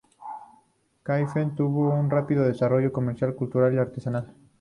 Kaifeng tuvo un rápido desarrollo comercial, cultural y artesanal.